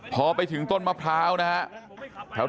พอไปถึงต้นมะพร้าวนะครับ